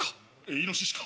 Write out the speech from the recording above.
イノシシか？